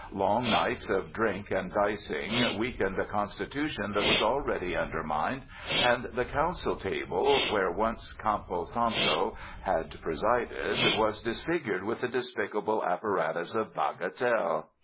Long nights of drink and dicing weakened a constitution that was already undermined, and the council table, where once Campo Santa had presided, was disfigured with the despicable apparatus of Bagatelle.